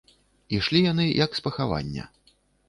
Ішлі яны, як з пахавання.